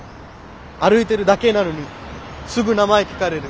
歩いてるだけなのにすぐ名前聞かれる。